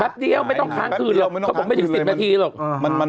แป๊บเดียวไม่ต้องค้างคืนเลยเพราะผมไม่ถึงสิบนาทีหรอก